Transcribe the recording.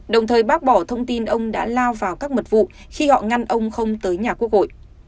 đồng thời bác bỏ thông tin ông đã lao vào các mật vụ khi họ ngăn ông không tới nhà quốc hội